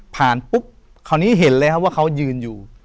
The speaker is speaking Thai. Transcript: ผ่านปุ๊บคราวนี้เห็นเลยว่าเขายืนอยู่